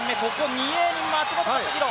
２泳に松元克央。